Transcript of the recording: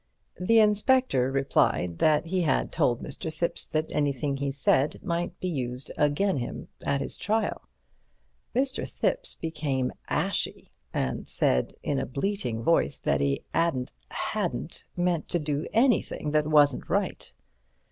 The Inspector replied that he had told Mr. Thipps that anything he said might be used again' him at his trial. Mr. Thipps became ashy, and said in a bleating voice that he 'adn't—hadn't meant to do anything that wasn't right.